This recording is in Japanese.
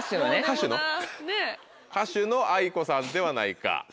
歌手のａｉｋｏさんではないか。